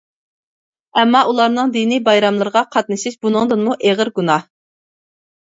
ئەمما ئۇلارنىڭ دىنىي بايراملىرىغا قاتنىشىش بۇنىڭدىنمۇ ئېغىر گۇناھ.